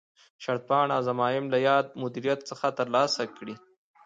شرطپاڼه او ضمایم له یاد مدیریت څخه ترلاسه کړي.